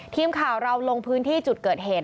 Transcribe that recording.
ทีมข่าวเราลงพื้นที่จุดเกิดเหตุ